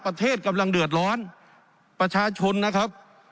ประเทศกำลังเดือดร้อนประชาชนนะครับ